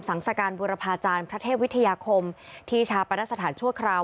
สังสการบุรพาจารย์พระเทพวิทยาคมที่ชาปนสถานชั่วคราว